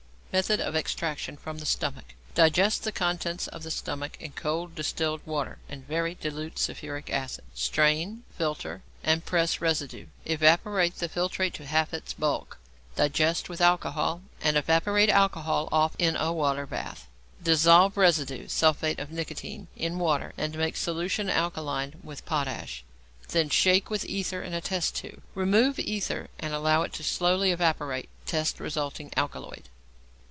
Method of Extraction from the Stomach. Digest the contents of the stomach in cold distilled water and very dilute sulphuric acid; strain, filter, and press residue. Evaporate the filtrate to half its bulk, digest with alcohol, and evaporate alcohol off in a water bath. Dissolve residue (sulphate of nicotine) in water, and make solution alkaline with potash; then shake with ether in a test tube. Remove ether and allow it slowly to evaporate. Test resulting alkaloid.